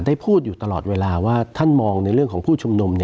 ได้พูดอยู่ตลอดเวลาว่าท่านมองในเรื่องของผู้ชุมนุม